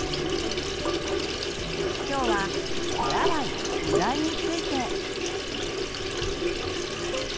きょうは「手洗い・うがい」について。